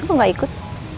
mau gak ikut